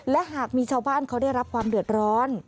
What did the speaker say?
และหากมีชาวบ้านเขาได้รับความเดือดร้อน